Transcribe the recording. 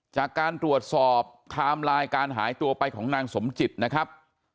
จากการตรวจสอบไทม์ไลน์การหายตัวไปของนางสมจิตนะครับ